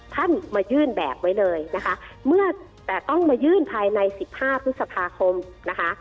ท่านมายื่นแบบไว้เลยนะคะเมื่อแต่ต้องมายื่นภายในสิบห้าพฤษภาคมนะคะ